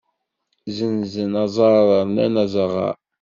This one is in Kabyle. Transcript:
Zenzen aẓar rnan azaɣaṛ.